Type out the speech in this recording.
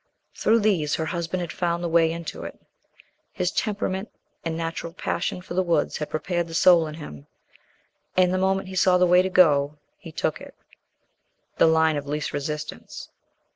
Through these her husband had found the way into it. His temperament and natural passion for the woods had prepared the soul in him, and the moment he saw the way to go he took it the line of least resistance.